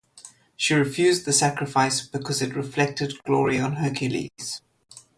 She refused the sacrifice because it reflected glory on Heracles.